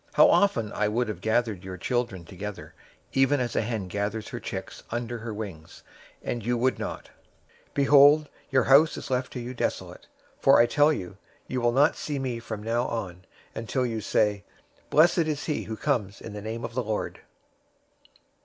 How often I would have gathered your children together, even as a hen gathers her chicks under her wings, and you would not! 023:038 Behold, your house is left to you desolate. 023:039 For I tell you, you will not see me from now on, until you say, 'Blessed is he who comes in the name of the Lord!'"